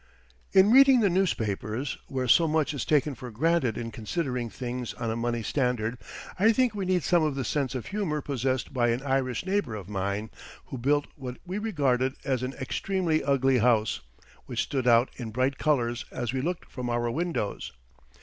In reading the newspapers, where so much is taken for granted in considering things on a money standard, I think we need some of the sense of humour possessed by an Irish neighbour of mine, who built what we regarded as an extremely ugly house, which stood out in bright colours as we looked from our windows.